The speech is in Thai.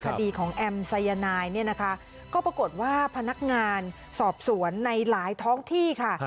คดีของแอมสายนายเนี่ยนะคะก็ปรากฏว่าพนักงานสอบสวนในหลายท้องที่ค่ะ